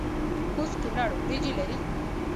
کوز کونړ وریجې لري؟